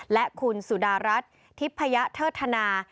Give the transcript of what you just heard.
และคุณสุดารัฐทิพยเทิดธนา